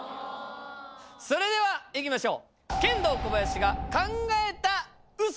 それではいきましょう。